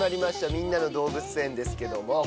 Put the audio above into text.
『みんなのどうぶつ園』ですけども。